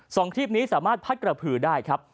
คลิปนี้สามารถพัดกระพือได้ครับ